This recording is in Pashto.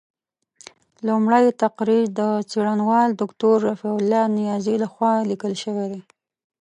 لومړۍ تقریض د څېړنوال دوکتور رفیع الله نیازي له خوا لیکل شوی دی.